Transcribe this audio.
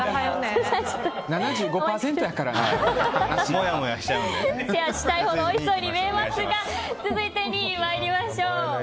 シェアしたいほどおいしそうに見えますが続いて、２位に参りましょう。